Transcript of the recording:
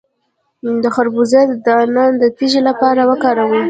د خربوزې دانه د تیږې لپاره وکاروئ